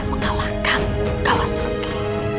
mengalahkan kalas ruki